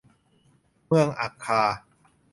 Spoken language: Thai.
เหมืองอัครา